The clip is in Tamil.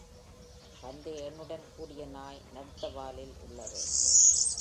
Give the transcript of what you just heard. பந்தய எண்ணுடன் கூடிய நாய் நடுத்தவாலில் உள்ளது.